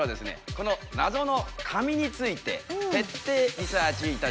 このなぞの紙について徹底リサーチいたしました。